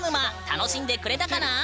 楽しんでくれたかな？